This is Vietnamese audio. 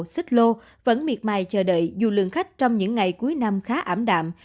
xích lô vẫn miệt mài chờ đợi dù lượng khách trong những ngày cuối năm khá ảm đạm